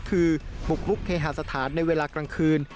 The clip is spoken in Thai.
คือบุกลุกเคหาสถานในเวลากลางคืน